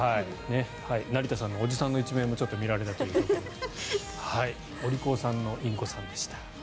成田さんのおじさんの一面もちょっと見られたということでお利口さんのインコさんでした。